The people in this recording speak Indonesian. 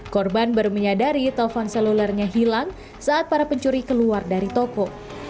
korban baru menyadari telpon selulernya hilang saat para pencuri keluar dari toko